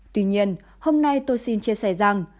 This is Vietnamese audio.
tuy nhiên hôm nay tôi xin chia sẻ rằng